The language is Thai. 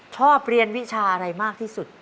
ชอบเรียนวิชาอะไรมากที่สุด